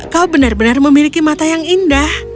kau benar benar memiliki mata yang indah